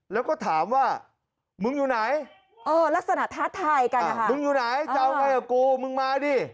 แล้วก็ถามว่ามึงอยู่ไหนลักษณะทัศน์ไทยกันมึงอยู่ไหนเจ้าไงกับกูมึงมาดิ